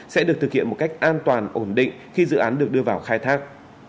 sẽ được thực hiện một cách an toàn ổn định khi dự án được đưa vào khai thác